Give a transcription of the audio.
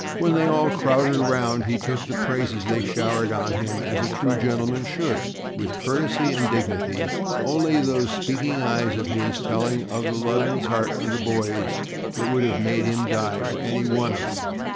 When they all crowded around, he took the praises they showered on him as a true gentleman should with courtesy and dignity, only those speaking eyes of his telling of the love in his heart for the boys that would have made him die for any one of them.